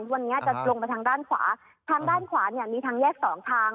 วันนี้จะลงไปทางด้านขวาทางด้านขวาเนี่ยมีทางแยกสองทาง